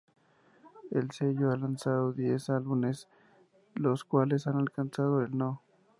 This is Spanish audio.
El sello ha lanzado diez álbumes los cuales han alcanzado el No.